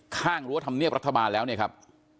รั้วธรรมเนียบรัฐบาลแล้วเนี่ยครับ